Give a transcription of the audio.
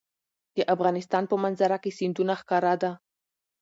د افغانستان په منظره کې سیندونه ښکاره ده.